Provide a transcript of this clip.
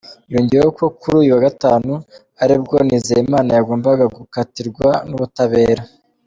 Yongeyeho ko kuri uyu wa Gatanu aribwo Nizeyimna yagombaga gukatirwa n’ubutabera.